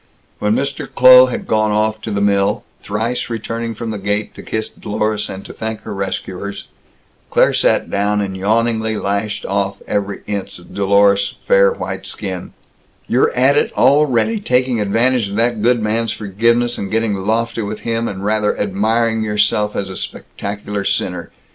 When Mr. Kloh had gone off to the mill thrice returning from the gate to kiss Dlorus and to thank her rescuers Claire sat down and yawningly lashed off every inch of Dlorus's fair white skin: "You're at it already; taking advantage of that good man's forgiveness, and getting lofty with him, and rather admiring yourself as a spectacular sinner.